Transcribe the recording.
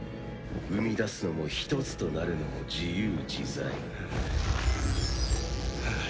生み出すのも一つとなるのも自由自在。